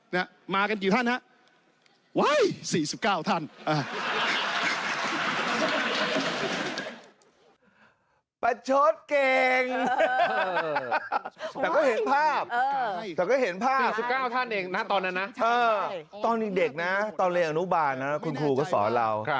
แต่ก็เห็นภาพตอนเด็กนะตอนเรียนอนุบาลนะครับคุณครูก็สอนเรา